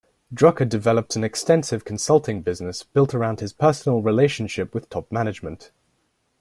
Drucker developed an extensive consulting business built around his personal relationship with top management.